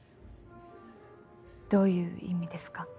どういう意味ですか？